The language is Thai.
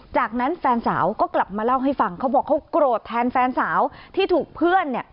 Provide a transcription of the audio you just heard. จากนั้นแฟนสาวก็กลับมาเล่าให้ฟังเขาบอกเขาโกรธแทนแฟนสาวที่ถูกเพื่อนเนี่ย